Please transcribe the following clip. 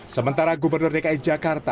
sementara gubernur dki jakarta